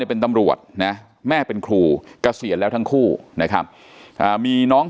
เป็นตำรวจนะแม่เป็นครูเกษียณแล้วทั้งคู่นะครับมีน้อง